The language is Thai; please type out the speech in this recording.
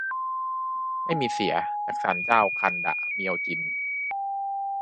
ไม่มีเสีย จากศาลเจ้าคันดะเมียวจิน